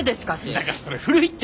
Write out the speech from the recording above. だからそれ古いって！